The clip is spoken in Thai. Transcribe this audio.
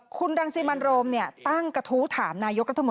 คุณรังซีบัณฑ์โรมตั้งกฑูถามนายกตม